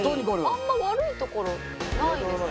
あんま悪いところないですね。